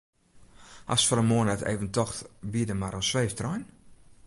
Hast fan 'e moarn net even tocht wie der mar in sweeftrein?